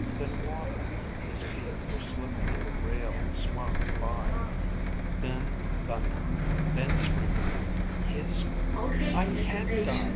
Then water. His feet were slipping and the rail swung by. Then thunder. Then screaming, his screaming: _I can't die!